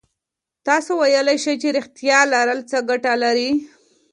تاسو ویلای شئ چې رښتيا ويل څه گټه لري؟